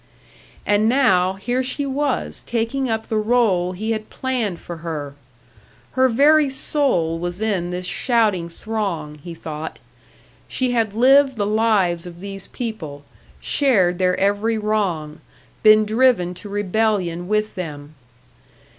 And now, here she was taking up the role he had planned for her! Her very soul was in this shouting throng, he thought. She had lived the lives of these people, shared their every wrong, been driven to rebellion with them.